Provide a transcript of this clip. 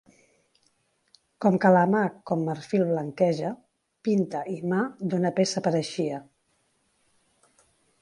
Com que la mà com marfil blanqueja, pinta i mà d'una peça pareixia.